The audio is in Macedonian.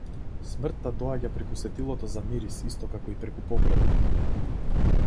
Смртта доаѓа преку сетилото за мирис исто како и преку погледот.